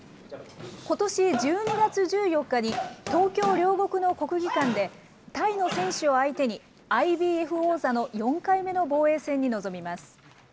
ことし１２月１４日に東京・両国の国技館で、タイの選手を相手に、ＩＢＦ王座の４回目の防衛戦に臨みます。